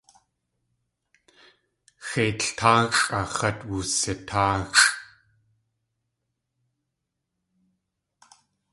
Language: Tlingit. Xeitl táaxʼaa x̲at wusitáaxʼ.